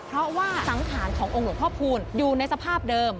เพราะว่าสังขารขององค์หลวงพ่อคูณอยู่ในสภาพเดิม